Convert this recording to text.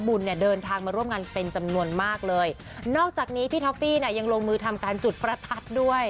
เนี่ยเดินทางมาร่วมงานเป็นจำนวนมากเลยนอกจากนี้พี่ท็อฟฟี่เนี่ยยังลงมือทำการจุดประทัดด้วย